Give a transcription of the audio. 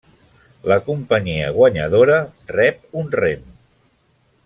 La companyia guanyadora rep un rem.